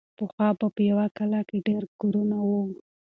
پخوا به په یوه کلا کې ډېر کورونه وو.